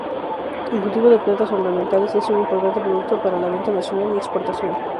El cultivo de plantas ornamentales es un importante producto para venta nacional y exportación.